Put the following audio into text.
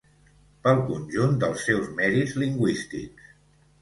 Pel conjunt dels seus mèrits lingüístics.